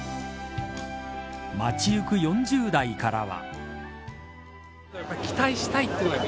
街行く４０代からは。